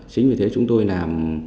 chính vì thế chúng tôi làm